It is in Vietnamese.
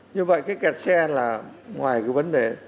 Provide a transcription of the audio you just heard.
như vậy cái kẹt xe là ngoài cái vấn đề